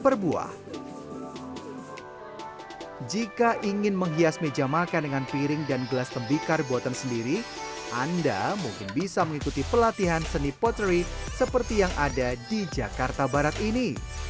perbuah jika ingin menghias meja makan dengan piring dan gelas tembikar buatan sendiri anda mungkin bisa mengikuti pelatihan seni potri seperti yang ada di jakarta barat ini